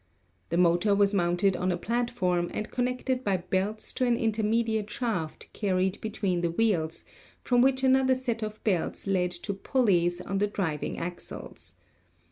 The motor was mounted on a platform and connected by belts to an intermediate shaft carried between the wheels, from which another set of belts led to pulleys on the driving axles.